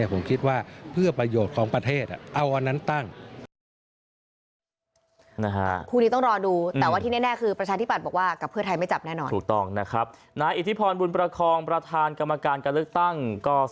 ผมคิดว่าเพื่อประโยชน์ของประเทศเอาอันนั้นตั้ง